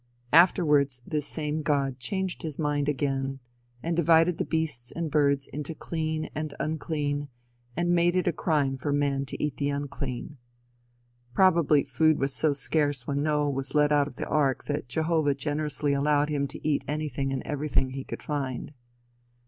Afterwards this same God changed his mind again, and divided the beasts and birds into clean and unclean, and made it a crime for man to eat the unclean. Probably food was so scarce when Noah was let out of the ark that Jehovah generously allowed him to eat anything and everything he could find.